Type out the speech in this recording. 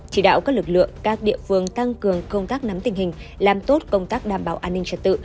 chỉ đạo các lực lượng các địa phương tăng cường công tác nắm tình hình làm tốt công tác đảm bảo an ninh trật tự